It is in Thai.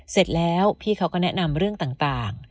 เสร็จแล้วพี่เขาก็แนะนำเรื่องต่าง